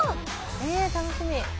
え楽しみ。